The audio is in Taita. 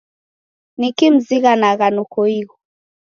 Niki mzighanagha noko ighu?